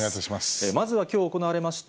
まずはきょう行われました